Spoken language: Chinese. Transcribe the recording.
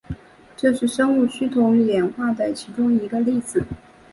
这是生物趋同演化的其中一个例子。